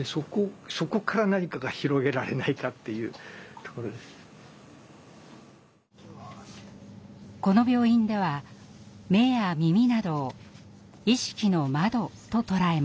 今ここにいるこの病院では目や耳などを「意識の窓」と捉えます。